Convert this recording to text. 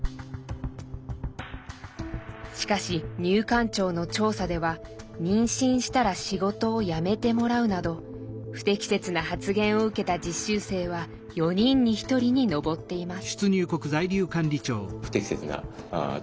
しかし入管庁の調査では「妊娠したら仕事を辞めてもらう」など不適切な発言を受けた実習生は４人に１人に上っています。